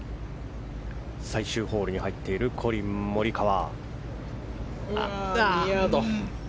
最終ホールに入っているコリン・モリカワ。